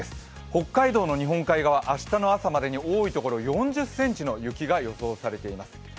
北海道の日本海側、明日の朝までに多いところで４０ｃｍの雪が予想されています。